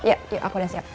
iya aku udah siap